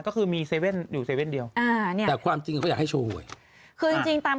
ก็คือมีเซเว่นอยู่เซเว่นเดียวอ่าเนี่ยแต่ความจริงเขาอยากให้โชว์หวยคือจริงจริงตาม